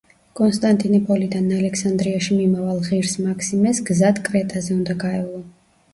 კონსტანტინეპოლიდან ალექსანდრიაში მიმავალ ღირს მაქსიმეს გზად კრეტაზე უნდა გაევლო.